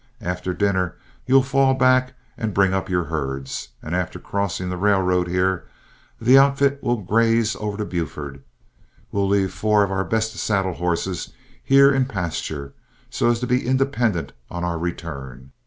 After dinner you'll fall back and bring up your herds, and after crossing the railroad here, the outfits will graze over to Buford. We'll leave four of our best saddle horses here in a pasture, so as to be independent on our return.